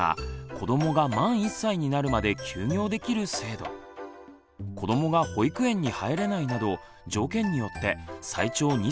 子どもが保育園に入れないなど条件によって最長２歳まで取得できます。